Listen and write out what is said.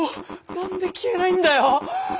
何で消えないんだよ！